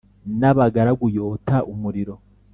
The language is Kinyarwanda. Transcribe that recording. N abagaragu yota umuriro